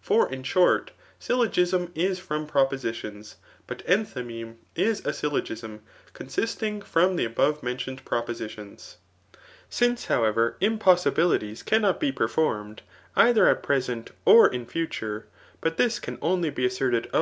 For in shorty syllogism is from propositions; but enthymeme is a Syllogism consisting from the above mendoned propo ^ sitions* Since, however,: impossibtlicies cannot be performed, eidierat present or m future, but this cam t)nly beafe^Med of